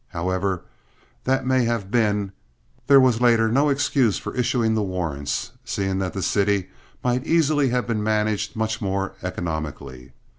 However that may have been, there was later no excuse for issuing the warrants, seeing that the city might easily have been managed much more economically.